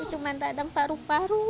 cuma radang paru paru